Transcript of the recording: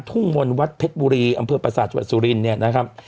ถุงมนตร์วัดเพศบุรีอะไรเพื่อปราสาทจวันสุรินทร์เนี่ยนะครับ